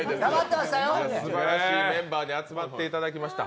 すばらしいメンバーに集まっていただきました。